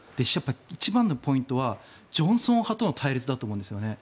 一番のポイントはジョンソン派との対立だと思うんですよね。